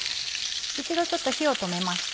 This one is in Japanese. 一度ちょっと火を止めました。